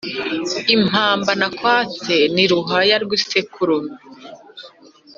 Impamba nakwatse. Ni Ruhaya rw'isekurume